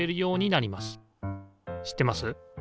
知ってます？